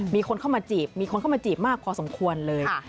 มีคนเข้ามาจีบมีคนเข้ามาจีบมากพอสมควรเลย